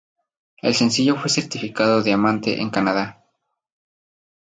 El sencillo fue certificado Diamante en Canadá.